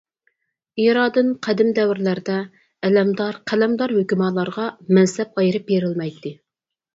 ئېرادىن قەدىم دەۋرلەردە ئەلەمدار-قەلەمدار ھۆكۈمالارغا مەنسەپ ئايرىپ بېرىلمەيتتى.